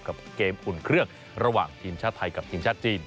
กับเกมอุ่นเครื่องระหว่างทีมชาติไทยกับทีมชาติจีน